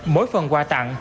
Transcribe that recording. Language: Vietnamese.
mỗi phần quà tặng